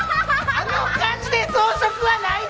あの感じで草食はないで！